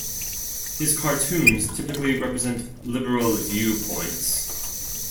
His cartoons typically present liberal viewpoints.